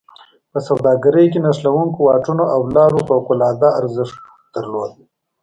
په سوداګرۍ کې نښلوونکو واټونو او لارو فوق العاده ارزښت درلوده.